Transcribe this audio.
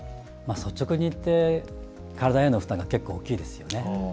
率直に言って体への負担、結構大きいですね。